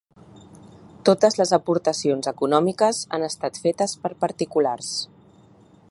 Totes les aportacions econòmiques han estat fetes per particulars.